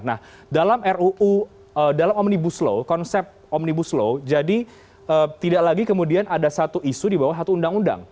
nah dalam ruu dalam omnibus law konsep omnibus law jadi tidak lagi kemudian ada satu isu di bawah satu undang undang